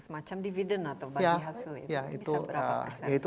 semacam dividen atau bagi hasil itu